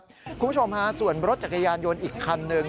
คุณผู้ชมฮะส่วนรถจักรยานยนต์อีกคันหนึ่ง